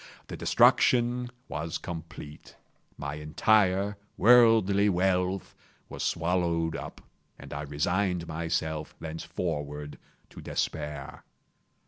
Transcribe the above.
The destruction was complete. My entire worldly wealth was swallowed up, and I resigned myself thenceforward to despair.